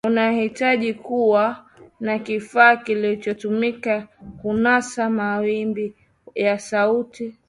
unahitaji kuwa na kifaa kinachotumika kunasa mawimbi ya sauti